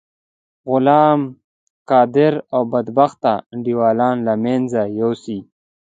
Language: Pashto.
غلام قادر او بدبخته انډيوالان له منځه یوسی.